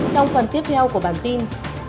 trong phần tiếp theo của bản tin